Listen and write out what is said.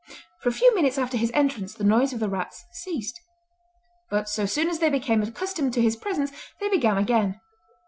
For a few minutes after his entrance the noise of the rats ceased; but so soon as they became accustomed to his presence they began again.